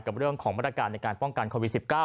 กับเรื่องของมาตรการในการป้องกันโควิด๑๙